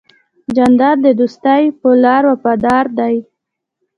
جانداد د دوستی په لار وفادار دی.